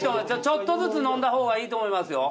ちょっとずつ飲んだ方がいいと思いますよ。